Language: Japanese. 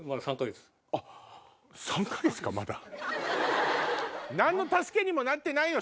３か月かまだ。何の助けにもなってないよ！